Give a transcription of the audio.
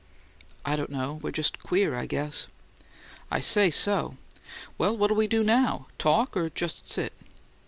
"I don't know; we're just queer, I guess." "I say so! Well, what'll we do NOW? Talk, or just sit?"